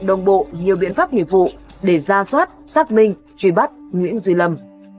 áp dụng đồng bộ nhiều biện pháp nhiệm vụ để ra soát xác minh truy bắt nguyễn duy lâm